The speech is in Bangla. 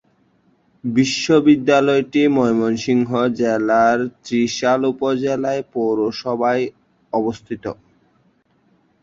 বিদ্যালয়টি ময়মনসিংহ জেলার ত্রিশাল উপজেলার পৌরসভায় অবস্থিত।